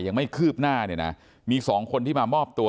ยังไม่คืบหน้ามี๒คนมามอบตัว